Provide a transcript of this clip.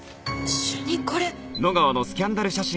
主任これ。